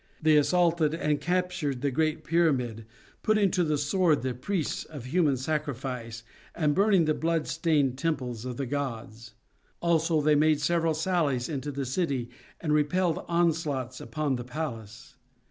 They assaulted and captured the great pyramid, putting to the sword the priests of human sacrifice and burning the blood stained temples of the gods. Also they made several sallies into the city and repelled onslaughts upon the palace.